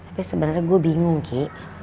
tapi sebenernya gua bingung ki